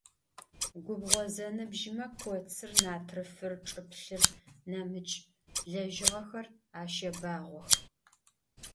Gubğo zenıbjme kotsır, natrıfır, çç'ıplhır, nemıç' lejığexer aşebağox.